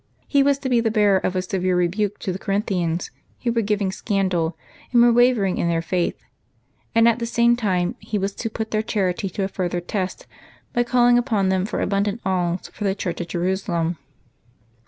He was to be the bearer of a severe rebuke to the Corinthians, who were giving scandal and were wavering in their faith ; and at the same time he was to put their charity to a further test by calling upon them for abundant alms for the church at Jerusalem.